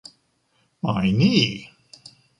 My knee.